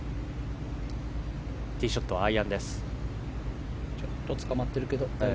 ティーショットはアイアンです。